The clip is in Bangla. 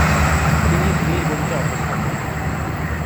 তিনি ধীরগতিতে অগ্রসর হন।